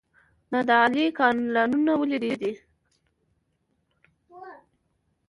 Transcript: نادعلي کانالونه ولې ډیر دي؟